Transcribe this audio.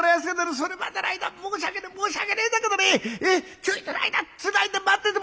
それまでの間申し訳ねえ申し訳ねえんだけどねちょいとの間つないで待ってて！」。